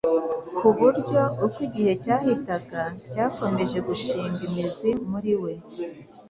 ku buryo uko igihe cyahitaga byakomeje gushinga imizi muri we